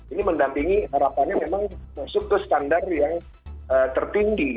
ini mendampingi harapannya memang masuk ke standar yang tertinggi